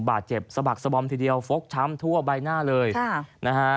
บาดเจ็บสะบักสบอมทีเดียวฟกช้ำทั่วใบหน้าเลยค่ะนะฮะ